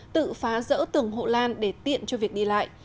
tự phá rỡ tường hộ lan để tiện cho việc đi lại